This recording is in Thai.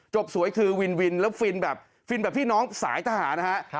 สวยคือวินวินแล้วฟินแบบฟินแบบพี่น้องสายทหารนะฮะ